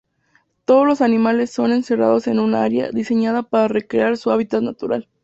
Todos los animales son encerrados en un área diseñada para recrear su hábitat natural.